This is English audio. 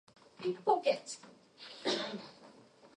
The gunwales on many were nearly straight from bow to stern.